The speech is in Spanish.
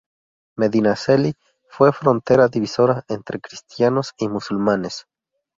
Medinaceli fue frontera divisoria entre cristianos y musulmanes.